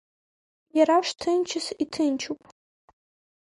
Иара шҭынчыц иҭынчуп.